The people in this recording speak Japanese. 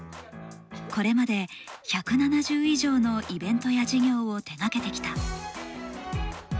これまで１７０以上のイベントや事業を手がけてきた。